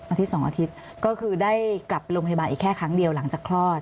๒อาทิตย์ก็คือได้กลับโรงพยาบาลอีกแค่ครั้งเดียวหลังจากคลอด